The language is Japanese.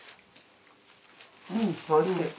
うんおいしい！